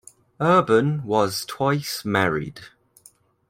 Urban was twice married.